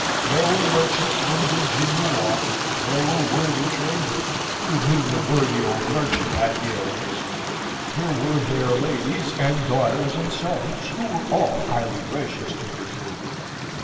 There were merchants from Virginia Walk; there were worthy tradesmen, with whom the worthy old merchant had dealings; there were their ladies and daughters and sons, who were all highly gracious to Miss Lyddy.